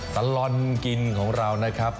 ตลอดกินของเรานะครับ